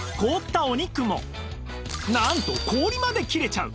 なんと氷まで切れちゃう！